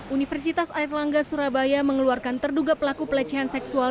universitas air langga surabaya mengeluarkan terduga pelaku pelecehan seksual